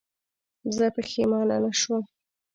زه پښېمانه نه شوم.